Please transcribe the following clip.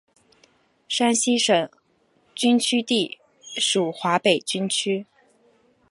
山西省军区隶属华北军区。